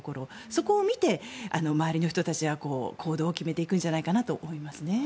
そこを見て、周りの人たちは行動を決めていくんじゃないかと思いますね。